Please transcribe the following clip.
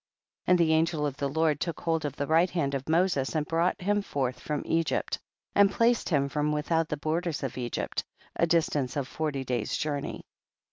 1 1 . And the angel of the Lord took hold of the right hand of Moses, and brought him forth from Egypt, and placed him from without the bor ders of Egypt, a distance of forty days' journey.